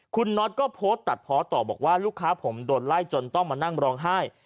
คุณน็อตก็โพสต์ตัดเพาะต่อบอกว่าลูกค้าผมโดนไล่จนต้องมานั่งร้องไห้